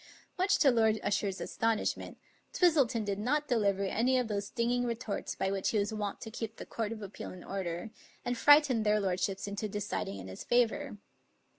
Much to Lord Usher's astonishment, Twistleton did not deliver any of those stinging retorts by which he was wont to keep the Court of Appeal in order, and frighten their lordships into deciding in his favor.